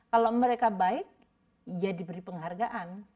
kalau mereka baik ya diberi penghargaan